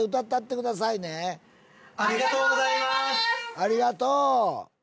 ありがとう！